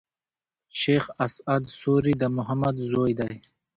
شېخ اسعد سوري د محمد زوی دﺉ.